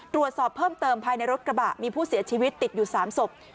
ตรวจสอบเพิ่มเติมภายในรถกระบะมีผู้เสียชีวิตติดอยู่๓ศพ